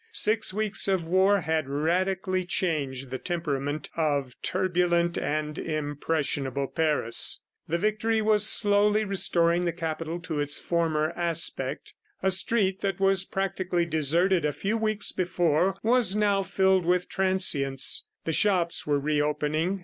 Six weeks of war had radically changed the temperament of turbulent and impressionable Paris. The victory was slowly restoring the Capital to its former aspect. A street that was practically deserted a few weeks before was now filled with transients. The shops were reopening.